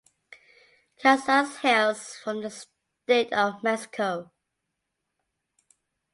Casas hails from the State of Mexico.